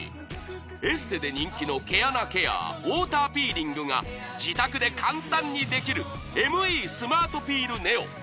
エステで人気の毛穴ケアウォーターピーリングが自宅で簡単にできるＭＥスマートピールＮＥＯ